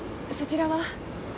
そちらは？